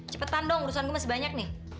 cepetan dong urusan gue masih banyak nih